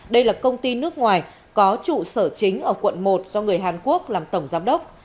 đây là công ty nước ngoài có trụ sở chính ở quận một do người hàn quốc làm tổng giám đốc